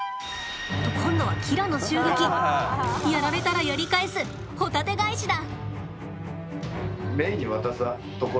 と今度はキラの襲撃！やられたらやり返すホタテ返しだ！